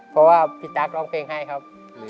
เพราะว่าพี่ตั๊กร้องเพลงให้ครับ